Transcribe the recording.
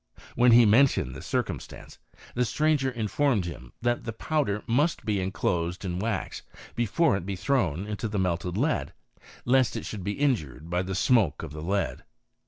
When he mentioned this circumstance, the stranger informed him that the powder must be enclosed in wax, before it be thrown into the melted lead, lest it should be injured by the smoke of the lead.